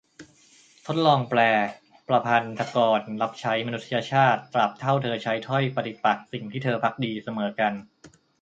ทดลองแปล :"ประพันธกรรับใช้มนุษยชาติ ตราบเท่าเธอใช้ถ้อยปฏิปักษ์สิ่งที่เธอภักดี เสมอกัน"